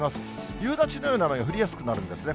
夕立のような雨が降りやすくなるんですね。